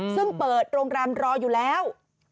ซึ่งเปิดโรงแรมรออยู่แล้ว